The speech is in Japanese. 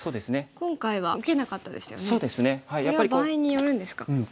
これは場合によるんですか。